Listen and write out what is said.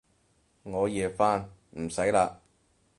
我夜返，唔使喇